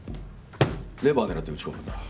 レバー狙って打ち込むんだ。